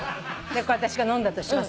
これ私が飲んだとします。